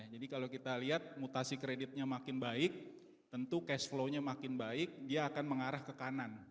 jadi kalau kita lihat mutasi kreditnya makin baik tentu cash flownya makin baik dia akan mengarah ke kanan